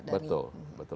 mereka sudah mulai kritis ya